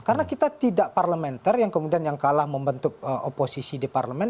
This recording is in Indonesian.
karena kita tidak parlementer yang kemudian yang kalah membentuk oposisi di parlemen